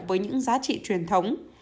với những giá trị truyền thống